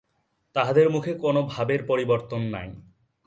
তাহাদের মুখে কোনো ভাবের পরিবর্তন নাই।